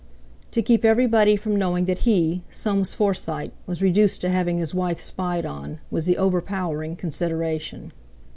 To keep everybody from knowing that he, Soames Forsyte, was reduced to having his wife spied on, was the overpowering consideration.